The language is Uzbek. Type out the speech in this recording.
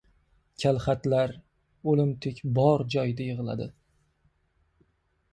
• Kalxatlar o‘limtik bor joyda yig‘iladi.